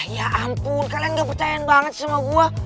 ya ampun kalian gak percaya banget sama gue